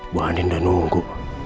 bu aninda nunggu